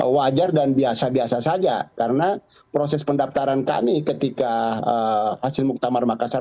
wajar dan biasa biasa saja karena proses pendaftaran kami ketika hasil muktamar makassar